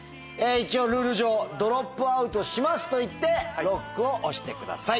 一応ルール上「ＤＲＯＰＯＵＴします」と言ってＬＯＣＫを押してください。